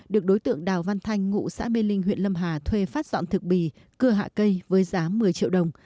được đối tượng đào văn thanh ngụ xã mê linh huyện lâm hà thuê phát dọn thực bì cưa hạ cây với giá một mươi triệu đồng